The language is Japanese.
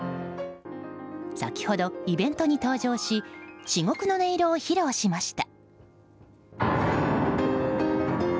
先ほど、イベントに登場し至極の音色を披露しました。